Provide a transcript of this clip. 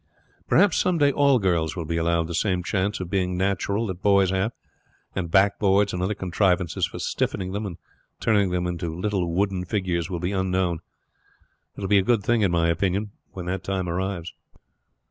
Perhaps some day all girls will be allowed the same chance of being natural that boys have, and backboards and other contrivances for stiffening them and turning them into little wooden figures will be unknown. It will be a good thing, in my opinion, when that time arrives."